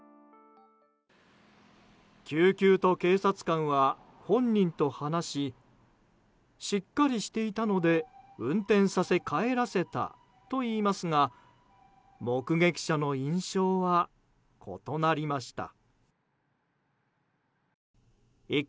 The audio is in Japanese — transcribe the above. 救急と警察官は本人と話ししっかりしていたので運転させ、帰らせたといいますが目撃者の印象は異なりました。